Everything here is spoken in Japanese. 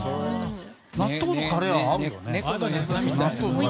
納豆とカレーは合うよね。